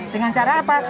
dengan cara apa